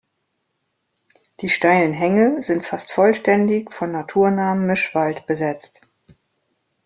Die steilen Hänge sind fast vollständig von naturnahem Mischwald besetzt.